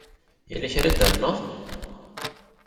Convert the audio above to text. Yella kra ara d-ternuḍ?